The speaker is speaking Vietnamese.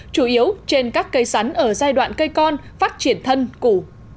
chủ yếu trên các cây sắn ở giai đoạn cây con phát triển thân củ